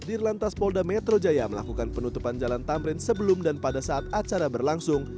dirlantas polda metro jaya melakukan penutupan jalan tamrin sebelum dan pada saat acara berlangsung